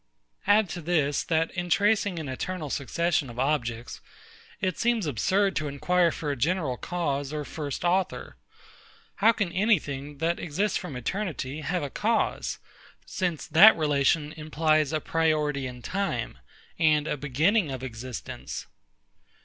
Add to this, that in tracing an eternal succession of objects, it seems absurd to inquire for a general cause or first author. How can any thing, that exists from eternity, have a cause, since that relation implies a priority in time, and a beginning of existence?